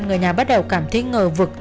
người nhà bắt đầu cảm thấy ngờ vực